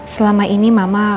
selama ini mama